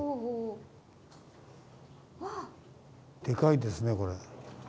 でかいですねこれ。